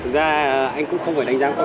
có anh nào có